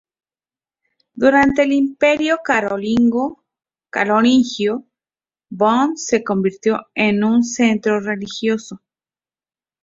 Durante el Imperio carolingio Bonn se convirtió en un centro religioso.